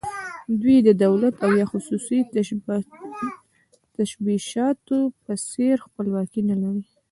دوی د دولت او یا خصوصي تشبثاتو په څېر خپلواکي نه لري.